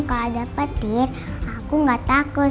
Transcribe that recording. kalau ada petir aku gak takut